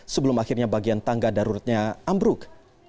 sebelum akhirnya bagian tangga daruratnya ambruk